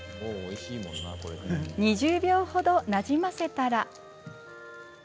２０秒ほど、なじませたら。